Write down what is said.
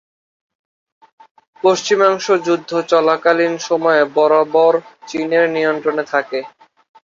পশ্চিমাংশ যুদ্ধ চলাকালীন সময়ে বরাবর চীনের নিয়ন্ত্রণে থাকে।